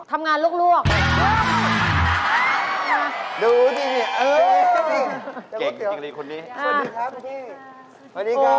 ดูดินี่เออ